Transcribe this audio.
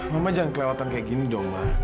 mama jangan kelewatan kayak gini dong ma